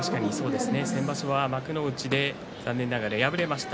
先場所は幕内で残念ながら敗れました。